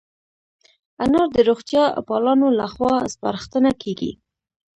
انار د روغتیا پالانو له خوا سپارښتنه کېږي.